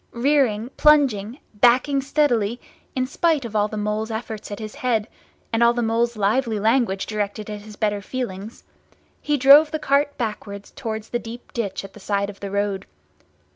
Rearing, plunging, backing steadily, in spite of all the Mole's efforts at his head, and all the Mole's lively language directed at his better feelings, he drove the cart backwards towards the deep ditch at the side of the road.